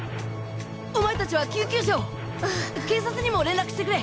おまえ達は救急車を警察にも連絡してくれ！